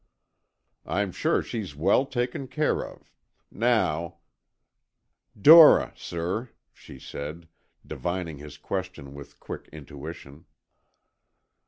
"I'm sure she's well taken care of. Now——" "Dora, sir," she said, divining his question with quick intuition.